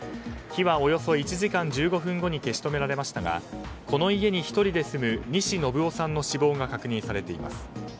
火はおよそ１時間１５分後に消し止められましたがこの家に１人で住む西宣夫さんの死亡が確認されています。